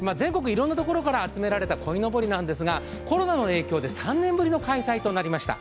いろんなところから集められたこいのぼりなんですがコロナの影響で３年ぶりの開催となりました。